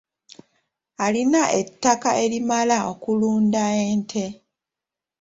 Alina ettaka erimala okulunda ente .